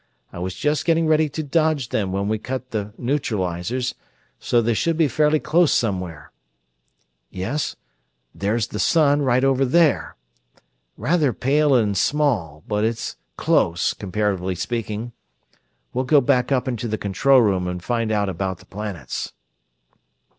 I was just getting ready to dodge them when we cut the neutralizers, so they should be fairly close somewhere yes, there's the sun, right over there. Rather pale and small; but it's close, comparatively speaking. We'll go back up into the control room and find out about the planets."